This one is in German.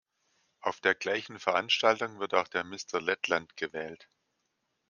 Auf der gleichen Veranstaltung wird auch der "Mister Lettland" gewählt.